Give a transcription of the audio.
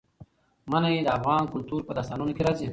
منی د افغان کلتور په داستانونو کې راځي.